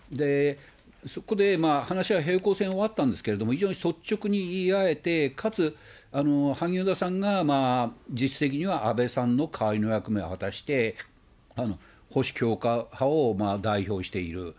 そこで話は平行線に終わったんですけれども、非常に率直に言い合えて、かつ萩生田さんが実質的には安倍さんの代わりの役目を果たして、保守強硬派を代表している。